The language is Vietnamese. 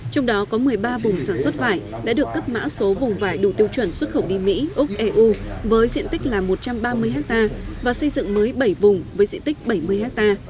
trong đó có một mươi ba vùng sản xuất vải đã được cấp mã số vùng vải đủ tiêu chuẩn xuất khẩu đi mỹ úc eu với diện tích là một trăm ba mươi ha và xây dựng mới bảy vùng với diện tích bảy mươi ha